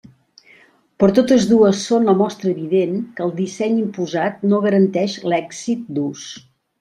Però totes dues són la mostra evident que el disseny imposat no garanteix l'èxit d'ús.